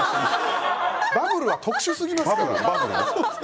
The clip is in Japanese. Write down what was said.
バブルは特殊すぎます。